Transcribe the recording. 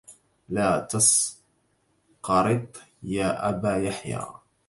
لا تسقرط يا أبا يحيى